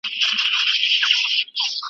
د ملالي دننګ چيغي `